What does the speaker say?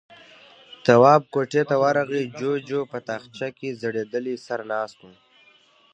تواب کوټې ته ورغی، جُوجُو په تاخچه کې ځړېدلی سر ناست و.